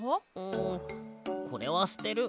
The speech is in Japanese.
んこれはすてる。